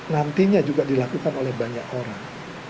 nantinya juga dilakukan oleh banyak orang